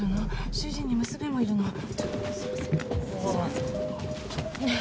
主人に娘もいるのちょっとすいませんすいませんねえ